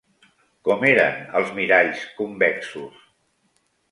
Com eren els miralls convexos?